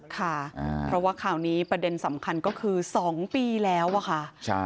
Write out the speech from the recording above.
ค่ะเพราะว่าข่าวนี้ประเด็นสำคัญก็คือ๒ปีแล้วอะค่ะ